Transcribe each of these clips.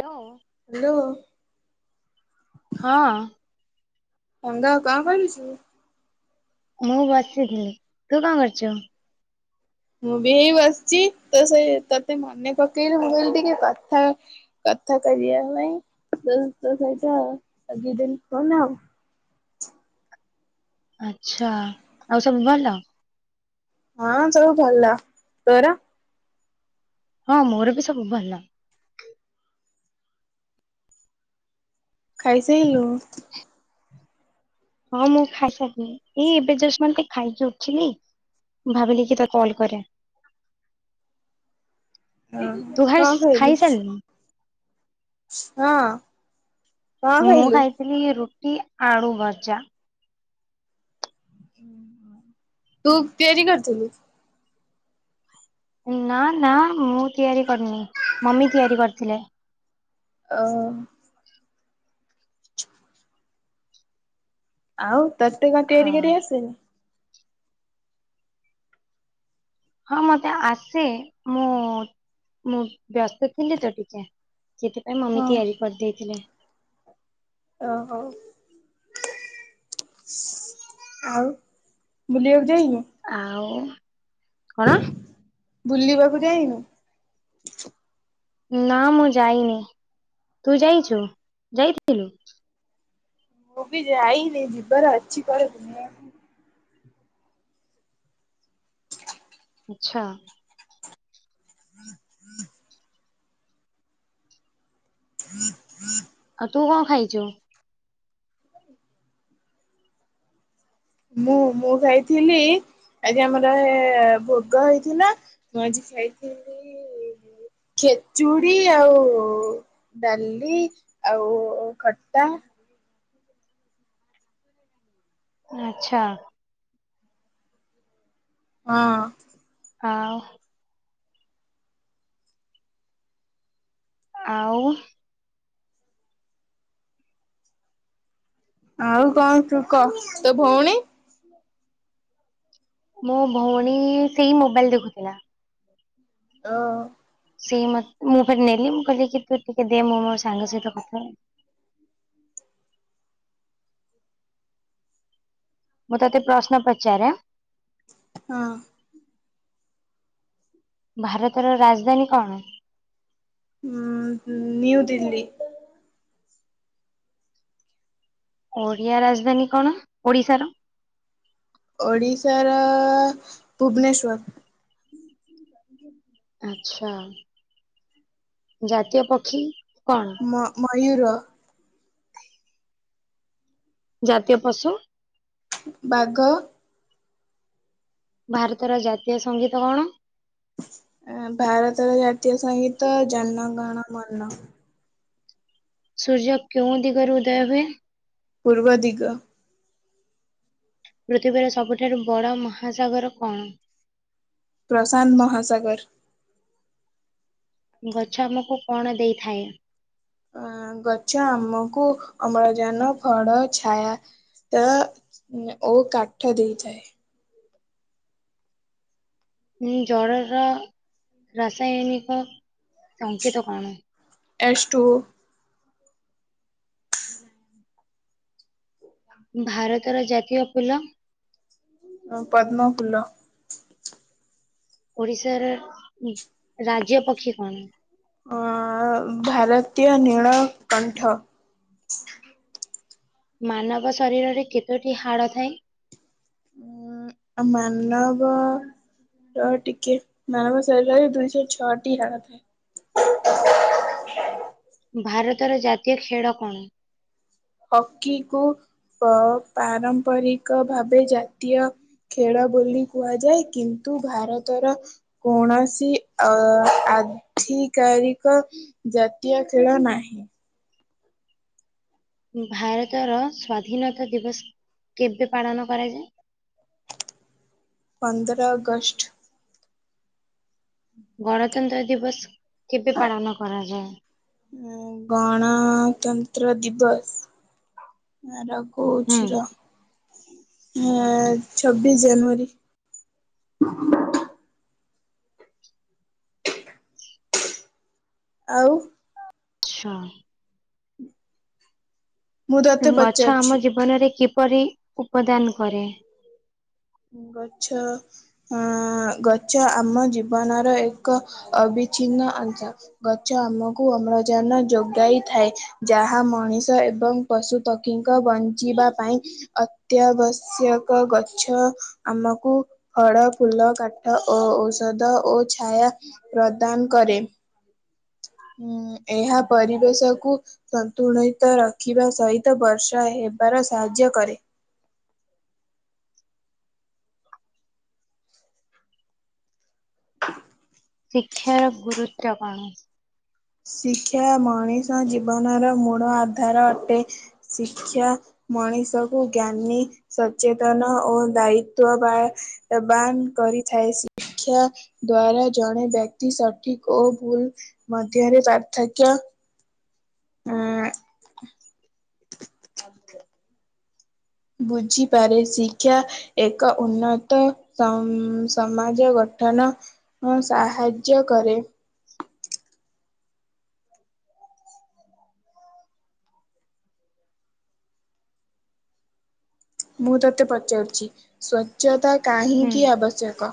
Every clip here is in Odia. ହ୍ୟାଲୋ। ହ୍ୟାଲୋ। ହଁ। [unintelligible] କଣ କରୁଛୁ? ମୁଁ ବସିଥିଲି, ତୁ କଣ କରୁଛୁ? ମୁଁ ବି ହେଇ ବସିଛି, ତ ସେ ତତେ ମନେ ପକେଇଲେ ମୁଁ କହିଲି ଟିକେ କଥା କଥା କରିଆ ପାଇଁ ତୋ ସହିତ ଦିନ ଆଉ [unintelligible] ଆଛା ଆଉ ସବୁ ଭଲ? ହଁ ସବୁ ଭଲ, ତୋର? ହଁ ମୋର ବି ସବୁ ଭଲ। ଖାଇସାଇଲୁଣୁ? ହଁ ମୁଁ ଖାଇସାରିନି ଏଇ ଏବେ ଜଷ୍ଟ ଏମିତି ଖାଇକି ଉଠିଲି। ଭାବିଲି କି ତାକୁ କଲ କରେ। ହଁ ତୁ କଣ [unintelligible] ଖାଇଲୁ? ଖାଇ ସାରିଲୁଣି? ହଁ। କଣ ମୁଁ ଖାଇଲୁ? ଖାଇଥିଲି ରୁଟି, ଆଳୁ ଭଜା। ତୁ ତିଆରି କରିଥିଲୁ? ନା ନା ମୁଁ ତିଆରି କରିନି ମମି ତିଆରି କରିଥିଲେ। ଓ। ଆଉ ତତେ କଣ ହଁ। ତିଆରି କରି ଆସେନି? ହଁ ମତେ ଆସେ। ମୁଁ ମୁଁ ବ୍ୟସ୍ତ ଥିଲି ତ ଟିକେ, ସେଥିପାଇଁ ମମି ହଁ ତିଆରି କରିଦେଇଥିଲେ। ଓ ହୋ। ଆଉ ବୁଲିବାକୁ ଯାଇନୁ? ଆଉ କଣ? ବୁଲିବାକୁ ଯାଇନୁ? ନା ମୁଁ ଯାଇନି, ତୁ ଯାଇଛୁ ଯାଇଥିଲୁ? ମୁଁ ବି ଯାଇନି ଯିବାର ଅଛିି କୁଆଡ଼େ ବୁଲିବାକୁ ଆଛା। ହଁ ହଠ [unintelligible] ଆଉ ତୁ କଣ ଖାଇଛୁ? ମୁଁ ମୁଁ ଖାଇଥିଲି ଆଜି ଆମର ଭୋଗ ହେଇଥିଲା, ମୁଁ ଆଜି ଖାଇଥିଲି ଖେଚୁଡି ଆଉ ଡାଲି ଆଉ ଖଟା। ଆଚ୍ଛା। ହଁ। ହଁ। ଆଉ। ଆଉ କଣ ତୁ କହ ତୋ ଭଉଣୀ? ମୋ ଭଉଣୀ ସେଇ ମୋବାଇଲ ଦେଖୁଥିଲା। ଓ। ସେଇ ମତେ ମୁଁ ଫରେ ନେଲି ମୁଁ କହିଲି କି ତୁ ଟିକେ ଦେ ମୁଁ ମୋ ସାଙ୍ଗ ସହିତ କଥା ହ ମୁଁ ତୋତେ ପ୍ରଶ୍ନ ପଚାରେ। ହଁ। ଭାରତର ରାଜଧାନୀ କଣ? ହୁଁ ନ୍ୟୁ୍ୟୁ ଦିଲ୍ଲୀ। ଓଡ଼ିଆ ରାଜଧାନୀ କଣ ଓଡିଶାର? ଓଡ଼ିଶାର ଭୁବନେଶ୍ଵର। ଆଚ୍ଛା ଜାତୀୟ ପକ୍ଷୀ। କଣ ମ-ମୟୂର। ଜାତୀୟ ପଶୁ? ବାଗ। ଭାରତର ଜାତୀୟ ସଙ୍ଗୀତ କଣ? ଏ ଭାରତର ଜାତୀୟ ସଂଙ୍ଗୀତ ଜନଗଣ ମନ। ସୂର୍ଯ କେଉଁ ଦିଗର ଉଦୟ ହୁଏ? ପୂର୍ବ ଦିଗ। ପୃଥିବୀର ସବୁଠାରୁ ବଡ଼ ମହାସାଗର କଣ? ପ୍ରଶାନ୍ତ ମହାସାଗର। ଗଛ ଆମକୁ କଣ ଦେଇଥାଏ? ଅ ଗଛ ଆମକୁ ଅମ୍ଳଜାନ, ଫଳ, ଛାୟା ତା ଓ କାଠ ଦେଇଥାଏ। ଉଁ ଜଳର ରାସାୟନିକ ସଙ୍କେତ କଣ? H two. ଭାରତର ଜାତୀୟ ଫୁଲ? ହଁ ପଦ୍ମ ଫୁଲ। ଓଡିଶାର ରାଜ୍ୟ ପକ୍ଷୀ କଣ? ଅ ଭାରତୀୟ ନୀଳକଣ୍ଠ। ମାନବ ଶରୀରରେ କେତୋଟି ହାଡ଼ ଥାଏ? ଉଁ ମାନବ ର ଟିକେ ମାନବ ଶରୀର ଦୁଇଶହ ଛଅଟି ହାଡ଼ ଥାଏ। ଭାରତର ଜାତୀୟ ଖେଳ କଣ? ହକି କୁ ପ ପାରମ୍ପରିକ ଭାବେ ଜାତୀୟ ଖେଳ ବୋଲି କୁହାଯାଏ, କିନ୍ତୁ ଭାରତର କୌଣସି ଅ ଆ ଆଧିକାରିକ ଜାତୀୟ ଖେଳ ନାହିଁ। ଭାରତର ସ୍ୱାଧୀନତା ଦିବସ କେବେ ପାଳନ କରାଯାଏ? [unintelligible] ପନ୍ଦର ଅଗଷ୍ଟ। ଗଣତନ୍ତ୍ର ଦିବସ କେବେ ପାଳନ କରାଯାଏ? ଉଁ ଗଣତନ୍ତ୍ର ଦିବସ ଆର ହୁଁ କହୁଛି ରହ। ଆ ଛବିଶ ଜାନୁଆରୀ। ଆଉ। ଆଚ୍ଛା। ମୁଁ ତତେ ଗଛ ଆମ ପଚାରୁଛି ଜୀବନରେ କିପରି ଉପଦାନ କରେ? ଗଛ ଅ ଗଛ ଆମ ଜୀବନର ଏକ ଅଭି ବିଛିନ୍ନ ଅଂଶ ଗଛ ଆମକୁ ଅମ୍ଳଜାନ ଯୋଗାଇଥାଏ ଯାହା ମଣିଷ ଏବଂ ପଶୁପକ୍ଷୀଙ୍କ ବଞ୍ଚିବା ପାଇଁ ଅତ୍ୟାବଶ୍ୟକ ଗଛ। ଆମକୁ ଫଳ ଫୁଲ କାଠ ଓ-ଔଷଧ ଓ ଛାୟା ପ୍ରଦାନ କରେ। ଉଁ ଏହା ପରିବେଶ କୁ ସନ୍ତୁଳିତ ରଖିବା ସହିତ ବର୍ଷା ହେ ହେବାର ସାହାଯ୍ୟ କରେ। [unintelligible] ଶିକ୍ଷାର ଗୁରୁତ୍ୱ କଣ? ଶିକ୍ଷା ମଣିଷ ଜୀବନର ମୂଳ ଆଧାର ଅଟେ ଶିକ୍ଷା ମଣିଷକୁ ଜ୍ଞାନୀ ସଚେତନ ଓ ଦାୟିତଵବାନ କରି ଥାଏ ଶିକ୍ଷା ଦ୍ଵାରା ଜଣେ ବ୍ୟକ୍ତି ସଠିକ ଓ ଭୁଲ [inaudible] ପାର୍ଥକ୍ୟ। ହଁ। ଆଉତ ବୁଝିପାରେ ଶିକ୍ଷା ଏକ ଉନ୍ନତ ଉ ସମାଜ ଗଠ ଗଠନ ସାହାଯ୍ୟ କରେ। ମୁଁ ତୋତେ ପଚାରୁଛି ସ୍ୱଚ୍ଛତା ହୁଁ କାହିଁକି ଆବଶ୍ୟକ?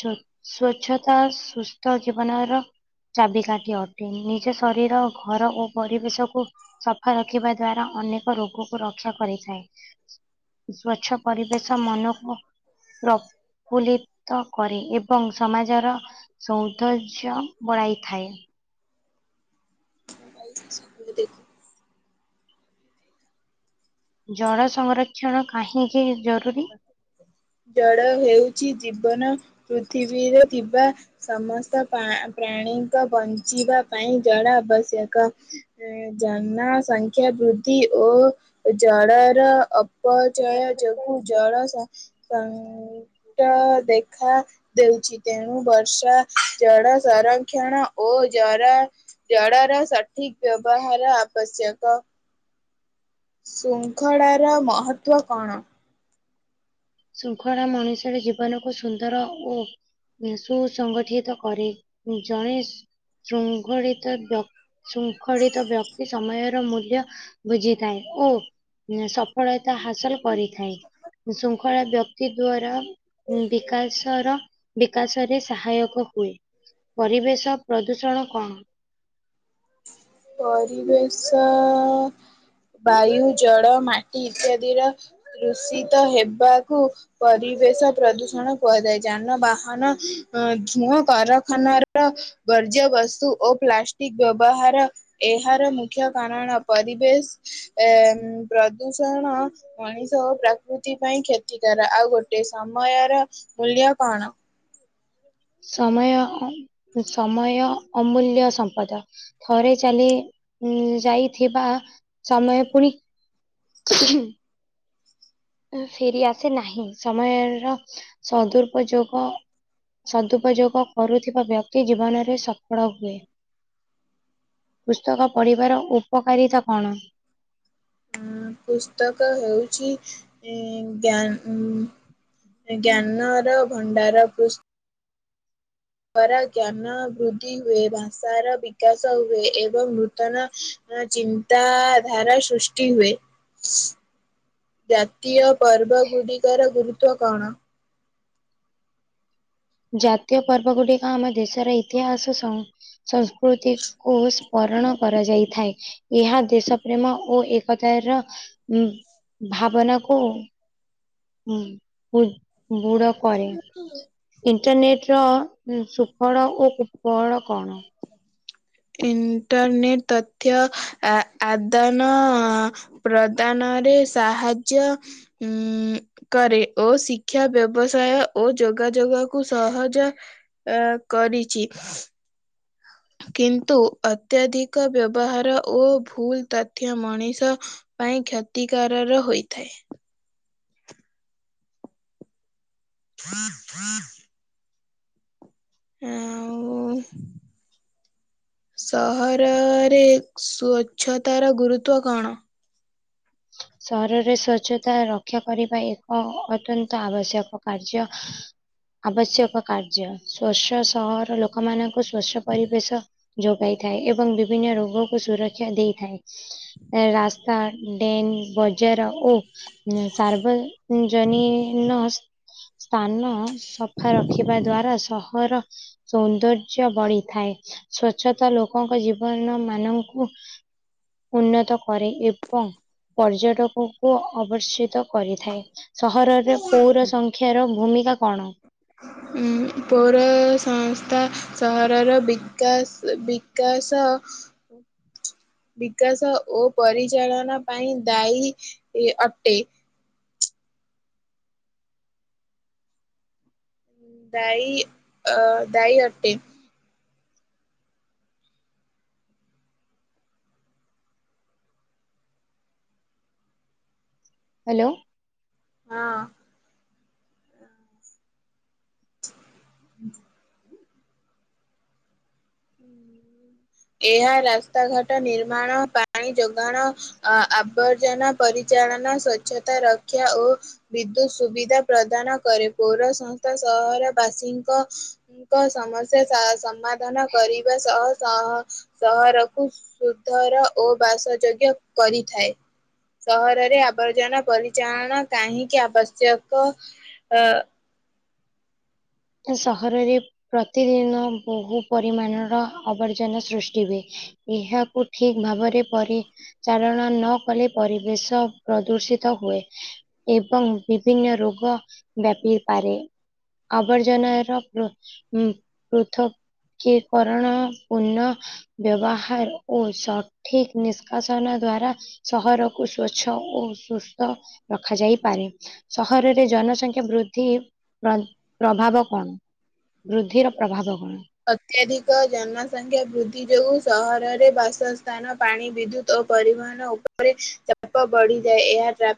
ସ୍ଵଚ୍ଛତା ସୁସ୍ଥ ଜୀବନର ଚାବିକାଠି ଅଟେ ନିଜ ଶରୀର ଘର ଓ ପରିବେଶକୁୁ ସଫା ରଖିବା ଦ୍ଵାରା ଅନେକ ରୋଗକୁ ରକ୍ଷା କରିଥାଏ ସ୍ଵଚ୍ଛ ପରିବେଶ ମନକୁ ପ୍ରଫୁଲିତ କରେ ଏବଂ ସମାଜର ସୌନ୍ଦର୍ଯ୍ୟ ବଢାଇଥାଏ। ଜଳ ସଂରକ୍ଷଣ କାହିଁକି ଜରୁରୀ? ଜଡ ହେଉଛି ଜୀବନ ପୃଥିବୀରେ ଥିବା ସମସ୍ତ ପ୍ରାଣି ପ୍ରଣୀଙ୍କ ବଞ୍ଚିବା ପାଇଁ ଜଳ ଆବଶ୍ୟକ ଜନସଂଖ୍ୟା ବୃ ଧି ଓ ଜଳର ଅପଚୟ ଯୋଗୁ ଜଳ ଶଙ୍କଟ ଦେଖା ଦଉଛି ତେଣୁ ବର୍ଷା ଜଳ ସଂରକ୍ଷଣ ଓ ଜର ଜଳର ସଠିକ ବ୍ୟବହାର ଆବଶ୍ୟକ। ଶୃଙ୍ଖଳାର ମହତ୍ବ କଣ? ଶୃଙ୍ଖଳା ମଣିଷର ଜୀବନକୁ ସୁନ୍ଦର ଓ ସୁ ସଂଗଠିତ କରେ ଜଣେ ଶୃଙ୍ଖଳିତ ବ୍ୟକ୍ତି ଶୃଙ୍ଖଳିତ ବ୍ୟକ୍ତି ସମୟର ମୂଲ୍ୟ ବୁଝିଥାଏ ଓ ସଫଳତା ହାସଲ କରିଥାଏ। ଖଳ ବ୍ୟକ୍ତି ଦ୍ଵାରା ବିକାଶର ବିକାଶରେ ସହାୟକ ହୁଏ ପରିବେଶ ପ୍ରଦୂଷଣ କଣ? ପରିବେଶ ବାୟୁ ଜଳ ମାଟି ଇତ୍ୟାଦିର ଦୂଷିତ ହେବାକୁ ପରିବେଶ ପ୍ରଦୂଷଣ କୁହାଯାଏ ଯାନବାହନ ଧୂଅଁ କଖାନାର କାଯ୍ୟ ବସ୍ତୁ ଓ ପ୍ଲାଷ୍ଟିକ ବ୍ୟବହାର ଏହାର ମୁଖ୍ୟ କାରଣ ପରିବେଶଏ ପ୍ରଦୂଷଣ। ମଣିଷ ଓ ପ୍ରକୃତି ପାଇଁ କ୍ଷତିକାର ଆଉ ଗୋଟେ ସମୟର ମୂଲ୍ୟ କଣ? ସମୟ ସମୟ ଅମୂଲ୍ୟ ସମ୍ ଥରେ ଚାଲି ଯାଇଥିବା ସମୟ ପୁଣି [unintelligible] ଫେରି ଆସେ ନାହିଁ ସମୟର ସଦୁପଯୋଗ ସଦୁପଯୋଗ କରୁଥିବା ବ୍ୟକ୍ତି ଜୀବନରେ ସଫଳ ହୁଏ। ପୁସ୍ତକ ପଢ଼ିବାର ଉପକାରିତା କଣ? ଉ ପୁସ୍ତକ ହଉଛି ଜ୍ଞାନ। ଜ୍ଞାନର ଭଣ୍ଡାର ପ ଦଵାରା ଜ୍ଞାନ ବୃଦ୍ଧି ହୁଏ ଭାଷାର ବିକାଶ ହୁଏ ଏବଂ ନୂତନ ଚିନ୍ତାଧାରା ସୃଷ୍ଟି ହୁଏ। ଜାତୀୟ ପର୍ବ ଗୁଡିକର ଗୁରୁତ୍ବ କଣ? ଜାତୀୟ ପର୍ବ ଗୁଡିକ ଆମ ଦେଶର ଇତିହାସ ସଂ ସଂସ୍କୃତି କୁ ସ୍ମରଣ କରାଯାଇଥାଏ। ଏହା ଦେଶ ପ୍ରେମ ଓ ଏକତ ର ଉ ଭାବନାକୁ ହୁଁ, ବୁଡ କରେ, ଇଣ୍ଟରନେଟ ର ଉଁ, ସୁଫଳ ଓ କୁପଳ କଣ? ଇଣ୍ଟରନେଟ୍ ତଥ୍ୟ ଆଦାନ ପ୍ରଦାନ ସାହାଯ୍ୟ କରେ ଓ ଶିକ୍ଷା ବ୍ୟବସାୟ ଓ ଯୋଗ ଯୋଗାଯୋଗକୁ ସହଜ ଅ କରିଛି କିନ୍ତୁ ଅତ୍ୟଧିକ ବ୍ୟବହାର ଓ ଭୁଲ ତଥ୍ୟ ମଣିଷ ପାଇଁ କ୍ଷତିକାରର ହୋଇଥାଏ। ହଁ ହଁ [unintelligible] ଆଉ ସହରରେ ସ୍ୱଚ୍ଛତାର ଗୁରୁତ୍ବ କଣ? ସହରରେ ସ୍ଵଚ୍ଛତା ରକ୍ଷା କରିବା ଏକ ଅତ୍ୟନ୍ତ ଆବଶ୍ୟକ। କାର୍ଯ୍ୟ ଆବଶ୍ୟକ କାର୍ଯ୍ୟ, ସ୍ଵଚ୍ଛ ସହର ଲୋକମାନାନଙ୍କୁ ସ୍ଵଚ୍ଛ ପରିବେଶ ଯୋଗାଇ ଥାଏ। ଏବଂ ବିଭିନ୍ନ ରୋଗକୁ ସୁରକ୍ଷା ଦେଇଥାଏ, ରାସ୍ତା [unintelligible] ବଜାର ଓ ସାର୍ବଜନୀନ ସ୍ଥାନ, ସଫା ରଖିବା ଦ୍ଵାରା ସହର ସୌନ୍ଦର୍ଯ୍ୟ ବଢିଥାଏ ସ୍ଵଚ୍ଛତା ଲୋକଙ୍କ ଜୀବନ ମାନଙ୍କୁ ଉନ୍ନତ କରେ ଏବଂ ପର୍ଯ୍ୟଟକଙ୍କୁ ଅବର୍ଷିତ କରିଥାଏ, ସହରରେ ପୌର ସଂଖ୍ୟାର ଭୂମିକା କଣ? ପୌର ସଂସ୍ଥା ସହରର ବିକାଶ, ବିକାଶ [inaudible] ବିକାଶ ଓ ପରିଚାଳନା ପାଇଁ ଦାୟୀ ଅଟେ। ଦାଇ ଆ ଦାଇ ଅଟେ। ହାଲୋ ହଁ [inaudible] ହୁଁ [inaudible] ଏହା ରାସ୍ତାଘାଟ ନିର୍ମାଣ, ପାଣି ଯୋଗାଣ, ଆବର୍ଜନା ପରିଚାଳନା, ସ୍ୱଚ୍ଛତା ରକ୍ଷା ଓ ବିଦ୍ୟୁତ ସୁବିଧା ପ୍ରଦାନ କରେ, ପୌର ସଂସ୍ଥା ସହର ବାସି ଙ୍କ ସମସ୍ୟା ସମାଧାନ କରିବା ସହ ସହ, ସହରକୁ ସୁଧର ଓ ବାସଯୋଗ୍ୟ କରିଥାଏ। ସହରରେ ଆବର୍ଜନା ପରିଚାଳନା କାହିଁକି ଆବଶ୍ୟକ ଅ ସହରରେ ପ୍ରତିଦିନ ବହୁ ପରିମାଣର ଆବର୍ଜନା ସୃଷ୍ଟି ହୁଏ। ଏହାକୁ ଠିକ୍ ଭାବରେ ପରିଚାଳନା ନ କଲେ ପରିବେଶ ପ୍ରଦୂଷିତ ହୁଏ ଏବଂ ବିଭିନ୍ନ ରୋଗ ବ୍ୟାପିପାରେ। ଆଉ ଆବର୍ଜନା ର ପୃ ପୃଥକ କି କରଣ ପୂର୍ଣ ବ୍ୟବହାର ଓ ସଠିକ୍ ନିଷ୍କାସନ ଦ୍ଵାରା ସହରକୁ ସ୍ଵଚ୍ଛ ଓ ସୁସ୍ଥ ରଖାଯାଇପାରେ ସହରରେ ଜନସଂଖ୍ୟା ବୃଦ୍ଧି ପ୍ରଭାବ କଣ? ବୃଦ୍ଧିର ପ୍ରଭାବ କଣ? ଅତ୍ୟାଧିକ ଜନସଂଖ୍ୟା ବୃଦ୍ଧି ଯୋଗୁଁ ସହରରେ ବାସସ୍ଥାନ ପାଣି ବିଦ୍ୟୁତ୍ ଓ ପରିବହନ ଉପରେ ଚାପ ବଢ଼ିଯାଏ, ଏହା ଟ୍ରାଫି